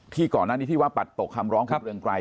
ก่อนหน้านี้ที่ว่าปัดตกคำร้องของเรืองไกร